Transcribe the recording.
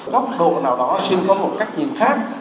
góc độ nào đó xin có một cách nhìn khác